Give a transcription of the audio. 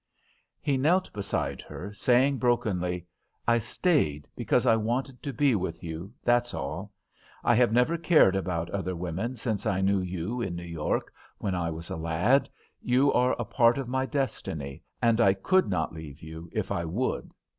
He knelt beside her, saying, brokenly: "I stayed because I wanted to be with you, that's all. I have never cared about other women since I knew you in New York when I was a lad. You are a part of my destiny, and I could not leave you if I would."